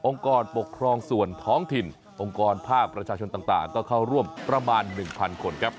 กรปกครองส่วนท้องถิ่นองค์กรภาคประชาชนต่างก็เข้าร่วมประมาณ๑๐๐คนครับ